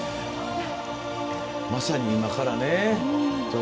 まさに今から。